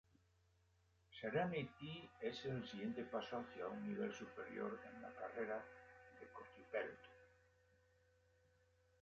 Serenity es el siguiente paso hacia un nivel superior en la carrera de Kotipelto.